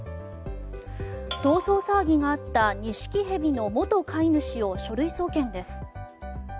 逃走騒ぎがあったニシキヘビの元飼い主を書類送検です。